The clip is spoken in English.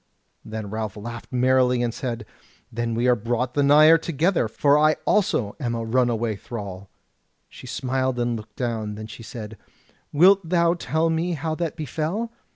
Then Ralph laughed merrily, and said, "Then are we brought the nigher together, for I also am a runaway thrall." She smiled and looked down: then she said: "Wilt thou tell me how that befell?"